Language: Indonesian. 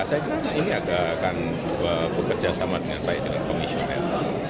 saya kira ini akan bekerja sama dengan baik dengan komisioner